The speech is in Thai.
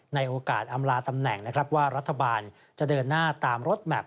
ในโอกาสอำลาตำแหน่งนะครับว่ารัฐบาลจะเดินหน้าตามรถแมพ